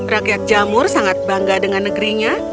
rakyat jamur sangat bangga dengan negerinya